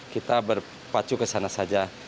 kita berpacu kesana saja